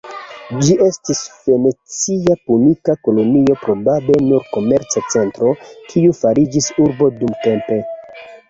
Ĝi estis fenica-punika kolonio, probable nur komerca centro, kiu fariĝis urbo dumtempe.